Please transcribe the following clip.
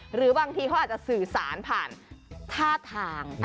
หรือบางทีเขาอาจจะสื่อสารผ่านท่าทาง